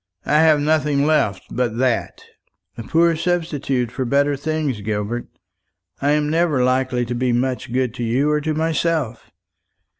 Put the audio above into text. I have nothing left but that." "A poor substitute for better things, Gilbert. I am never likely to be much good to you or to myself.